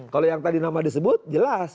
kalau yang tadi nama disebut jelas